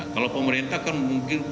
kalau pemerintah kan membutuhkan